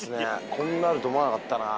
こんなあると思わなかったな。